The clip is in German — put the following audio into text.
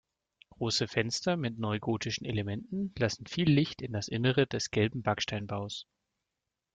Große Fenster mit neugotischen Elementen lassen viel Licht in das Innere des gelben Backsteinbaus.